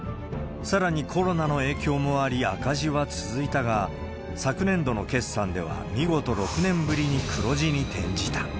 さらにコロナの影響もあり、赤字は続いたが、昨年度の決算では、見事６年ぶりに黒字に転じた。